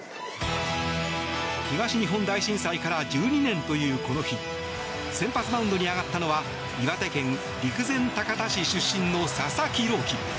東日本大震災から１２年というこの日先発マウンドに上がったのは岩手県陸前高田市出身の佐々木朗希。